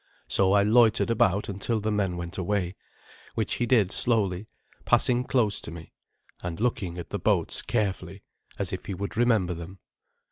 So I loitered about until the man went away, which he did slowly, passing close to me, and looking at the boats carefully, as if he would remember them.